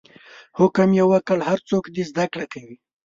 حکم یې وکړ هر څوک دې زده کړه کوي.